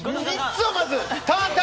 ３つをまず。